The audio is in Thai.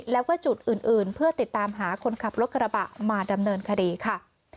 แล้วก็จุดอื่นเพื่อติดตามหาคนขับรถกระบะมาดำเนินคดีค่ะ